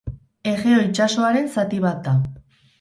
Egeo itsasoaren zati bat da.